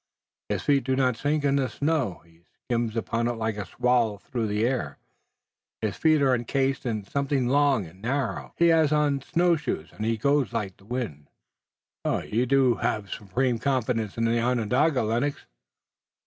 His feet do not sink in the snow. He skims upon it like a swallow through the air. His feet are encased in something long and narrow. He has on snow shoes and he goes like the wind!" "You do have supreme confidence in the Onondaga, Lennox!"